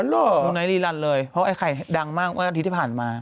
อ๋อเหรอโรงนายรีรันดิ์เลยเพราะไอ้ไข่ดังมากกว่าที่ที่ผ่านมา